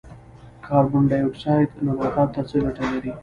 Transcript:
کاربن ډای اکسایډ نباتاتو ته څه ګټه لري؟